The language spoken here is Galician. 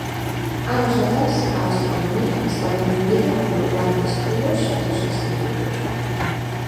Anos atrás, a astronomía estaba incluída no plan de estudos dos institutos.